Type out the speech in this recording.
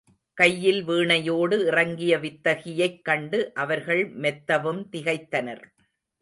கையில் வீணையோடு இறங்கிய வித்தகியைக் கண்டு அவர்கள் மெத்தவும் திகைத்தனர்.